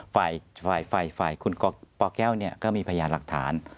ฝ่ายฝ่ายฝ่ายฝ่ายคุณปแก้วเนี่ยก็มีพยายามหลักฐาน